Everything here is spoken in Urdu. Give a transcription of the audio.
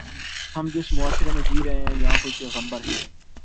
ہم جس معاشرے میں جی رہے ہیں، یہاں کوئی پیغمبر ہے۔